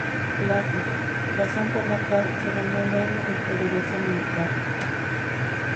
Plaza, razón por la cual se ganó el odio del poderoso militar.